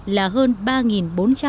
là một chín trăm bốn mươi năm tỷ đồng một lit